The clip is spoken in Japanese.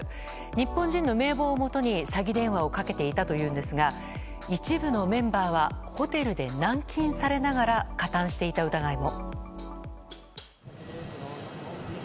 日本人の名簿をもとに詐欺電話をかけていたというんですが一部のメンバーはホテルで軟禁されながら加担していた疑いも。